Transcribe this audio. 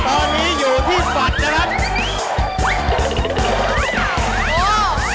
ตอนนี้อยู่ที่สัตว์นะครับ